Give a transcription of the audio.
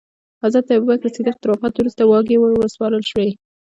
حضرت ابوبکر صدیق تر وفات وروسته واګې وروسپارل شوې.